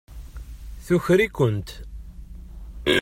Tuker-ikent.